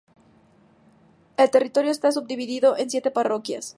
El territorio está subdividido en siete parroquias.